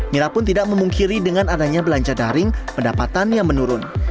mira pun tidak memungkiri dengan adanya belanja daring pendapatannya menurun